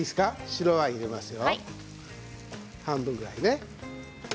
白ワインですよ、半分ぐらいね。